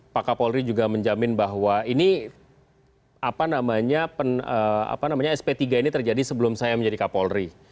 pak kapolri juga menjamin bahwa ini sp tiga ini terjadi sebelum saya menjadi kapolri